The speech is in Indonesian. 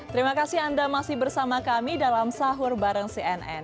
terima kasih anda masih bersama kami dalam sahur bareng cnn